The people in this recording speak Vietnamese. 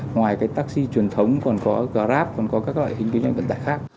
ngoài cái taxi truyền thống còn có grab còn có các loại hình kinh doanh vận tải khác